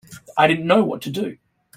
I didn't know what to do.